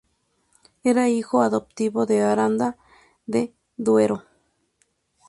Era hijo adoptivo de Aranda de Duero.